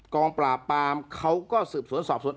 กองปราบปามเขาก็สืบสวนสอบสวน